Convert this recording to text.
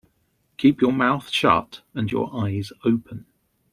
Keep your mouth shut and your eyes open.